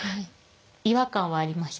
違和感はありました。